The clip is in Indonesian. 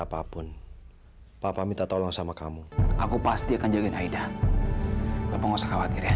apapun papa minta tolong sama kamu aku pasti akan jagain aida apa nggak usah khawatir ya